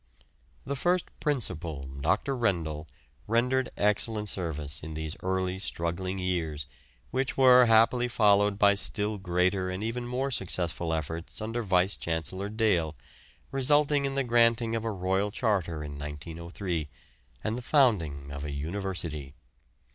The first Principal, Dr. Rendall, rendered excellent service in these early struggling years, which were happily followed by still greater and even more successful efforts under Vice Chancellor Dale, resulting in the granting of a Royal Charter in 1903, and the founding of a University.